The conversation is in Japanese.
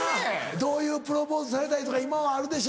どういうプロポーズされたいとか今はあるでしょ？